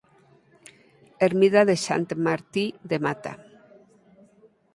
Ermida de Sant Martí de Mata.